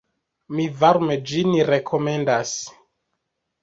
Mi varme ĝin rekomendas.